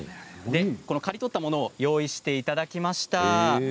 刈り取ったものを用意していただきました。